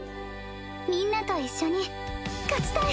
みんなと一緒に勝ちたい！